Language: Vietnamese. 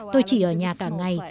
tôi chỉ ở nhà cả ngày